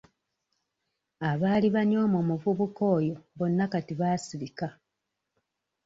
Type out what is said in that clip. Abaali banyooma omuvubuka oyo bonna kati baasirika.